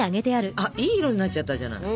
あっいい色になっちゃったじゃない。